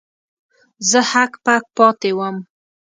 زه هک پک پاتې وم.